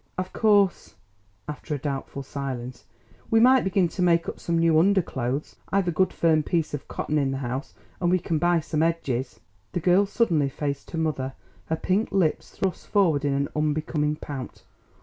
"Of course" after a doubtful silence "we might begin to make up some new underclothes. I've a good firm piece of cotton in the house, and we can buy some edges." The girl suddenly faced her mother, her pink lips thrust forward in an unbecoming pout.